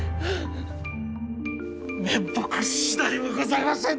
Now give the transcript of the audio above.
面目次第もございません！